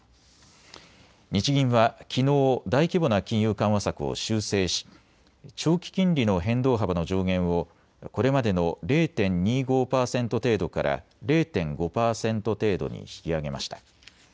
日銀はきのう大規模な金融緩和策を修正し長期金利の変動幅の上限をこれまでの０．２５％程度から０．５％程度に引き上げました。